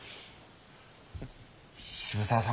渋沢様。